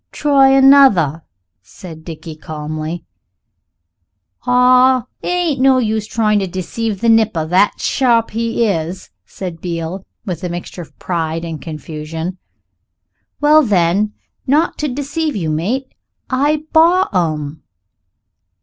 "Try another," said Dickie calmly. "Ah! it ain't no use trying to deceive the nipper that sharp he is," said Beale, with a mixture of pride and confusion. "Well, then, not to deceive you, mate, I bought 'em."